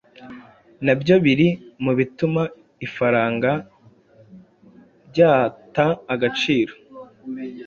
na byo biri mu bituma ifaranga ryata agaciro.